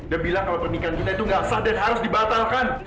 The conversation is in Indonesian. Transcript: dan bilang kalau pernikahan kita itu nggak asah dan harus dibatalkan